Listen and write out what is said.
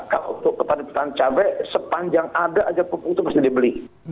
kalau untuk petani petani cabai sepanjang ada aja pupuk itu mesti dibeli